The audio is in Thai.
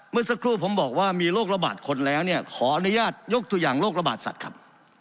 เมื่อสักครู่ผมบอกว่ามีโรคระบาดคนแล้วเนี่ยขออนุญาตยกตัวอย่างโรคระบาดสัตว์ครับ